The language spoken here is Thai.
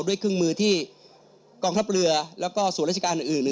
ด้วยเครื่องมือที่กองทัพเรือแล้วก็ส่วนราชการอื่น